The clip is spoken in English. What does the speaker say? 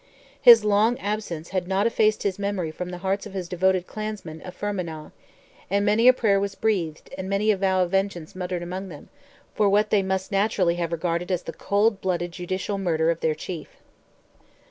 His long absence had not effaced his memory from the hearts of his devoted clansmen of Fermanagh, and many a prayer was breathed, and many a vow of vengeance muttered among them, for what they must naturally have regarded as the cold blooded judicial murder of their chief.